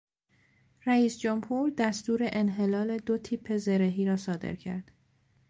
رییس جمهور دستور انحلال دو تیپ زرهی را صادر کرد.